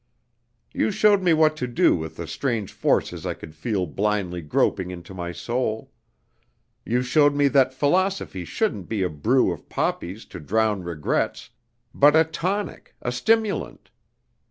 "You showed me what to do with the strange forces I could feel blindly groping in my soul. You showed me that philosophy shouldn't be a brew of poppies to drown regrets, but a tonic, a stimulant.